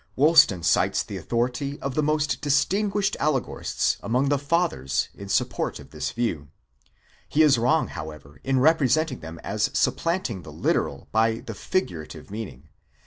Woolston cites the authority of the most distinguished al legorists among the fathers in support of this view. He is wrong however in. representing them as supplanting the literal by the figurative meaning.